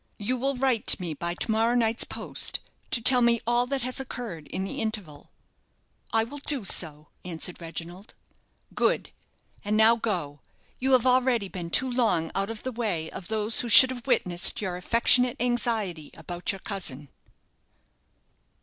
You will write to me by to morrow night's post to tell me all that has occurred in the interval." "I will do so," answered Reginald. "Good, and now go; you have already been too long out of the way of those who should have witnessed your affectionate anxiety about your cousin."